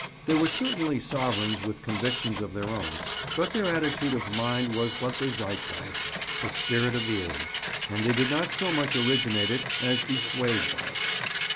They were certainly sovereigns with convictions of their own, but their attitude of mind was but the Zeitgeist, the spirit of the age, and they did not so much originate it as be swayed by it.